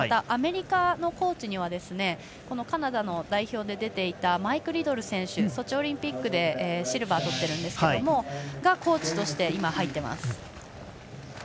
アメリカのコーチにはカナダの代表で出ていたマイク・リドル選手ソチオリンピックでシルバーをとっていますがコーチとして今、入っています。